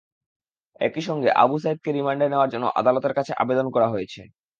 একই সঙ্গে আবু সাঈদকে রিমান্ড নেওয়ার জন্য আদালতের কাছে আবেদন করা হয়েছে।